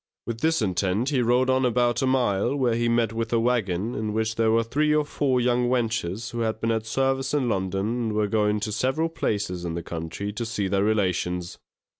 With this intent he rode on about a mile, when he met with a waggon, in which were three or four young wenches, who had been at service in London and were going to several places in the country to see their relations.